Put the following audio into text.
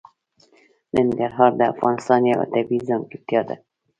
ننګرهار د افغانستان یوه طبیعي ځانګړتیا ده.